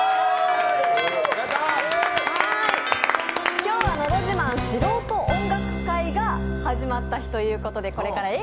今日は「のど自慢素人音楽会」が始まった日ということでこれからＡぇ！